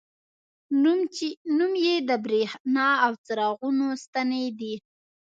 نوم یې د بریښنا او څراغونو ستنې دي.